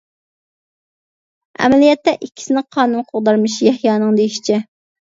ئەمەلىيەتتە ئىككىسىنى قانۇن قوغدارمىش، يەھيانىڭ دېيىشىچە.